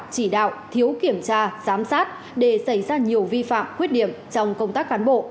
chỉ đạo thiếu kiểm tra giám sát để xảy ra nhiều vi phạm khuyết điểm trong công tác cán bộ